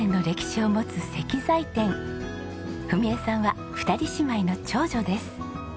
史枝さんは２人姉妹の長女です。